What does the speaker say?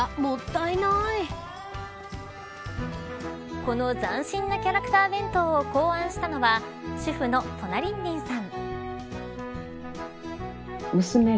この斬新なキャラクター弁当を考案したのは主婦のとなりんりんさん。